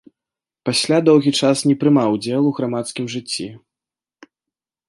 Пасля доўгі час не прымаў удзел у грамадскім жыцці.